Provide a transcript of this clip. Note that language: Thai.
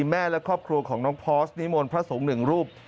แม่และครอบครัวของน้องพอร์สนิมนต์พระสงฆ์หนึ่งรูป